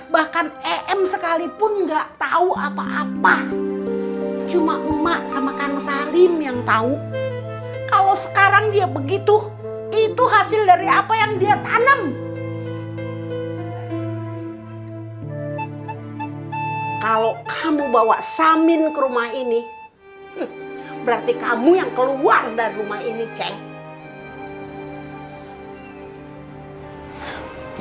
berarti kamu yang keluar dari rumah ini ceng